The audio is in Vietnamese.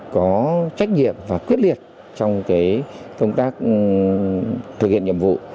có trách nhiệm và quyết liệt trong công tác thực hiện nhiệm vụ